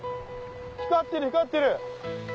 光ってる光ってる！